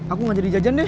aku ngajarin jajan deh